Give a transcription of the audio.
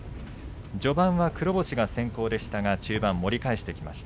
序盤は黒星が先行しましたが中盤盛り返してきました。